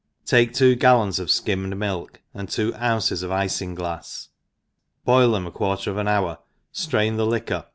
Take tw4? gallons of fkimmed milk, and two ounces of ifinglafs, boil them a quarter of an hour, ftrain the liquor